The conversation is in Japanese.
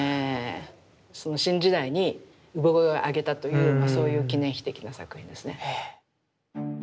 その新時代に産声を上げたというそういう記念碑的な作品ですね。